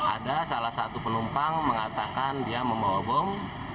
ada salah satu penumpang mengatakan dia membawa bom